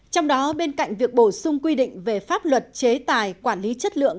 trong đó bên cạnh việc bổ sung quy định về pháp luật chế tài quản lý chất lượng